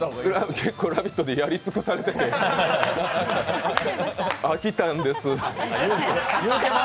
結構、「ラヴィット！」でやり尽くされてて飽きたんです。